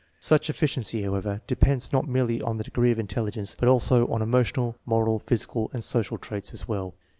Such efficiency, however, depends not merely on the degree of intelligence, but also on emotional, moral, physical, and social traits as well.